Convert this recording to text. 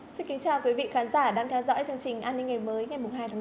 xin kính chào quý vị khán giả đang theo dõi chương trình an ninh ngày mới ngày hai tháng năm